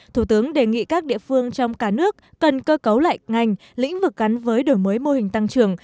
thủ tướng đề nghị các địa phương trong cả nước cần cơ cấu lại ngành lĩnh vực gắn với đổi mới mô hình tăng trưởng